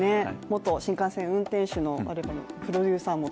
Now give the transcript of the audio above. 元新幹線運転士のプロデューサーも。